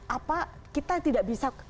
apa kita tidak bisa